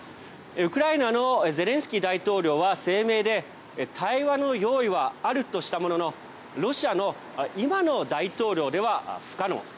ウクライナのゼレンスキー大統領は声明で対話の用意はあるとしたもののロシアの今の大統領では不可能。